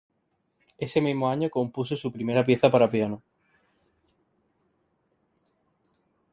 Ese mismo año, compuso su primera pieza para piano.